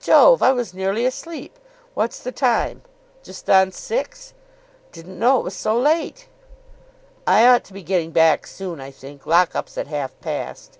"Jove, I was nearly asleep. What's the time? Just on six? Didn't know it was so late." "I ought to be getting back soon, I think. Lock up's at half past."